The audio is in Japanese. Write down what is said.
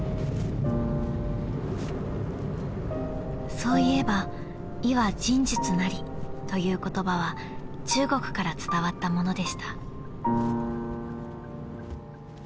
［そういえば「医は仁術なり」という言葉は中国から伝わったものでした］